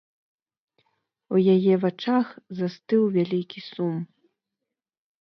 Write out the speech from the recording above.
У яе вачах застыў вялікі сум.